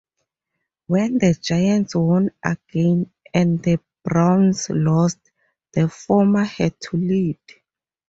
When the Giants won again and the Browns lost, the former had the lead.